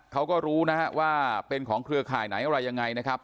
เขาก็รู้นะฮะว่าเป็นของเครือข่ายไหนอะไรยังไงนะครับ